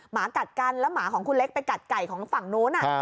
หมากัดกันแล้วหมาของคุณเล็กไปกัดไก่ของฝั่งนู้น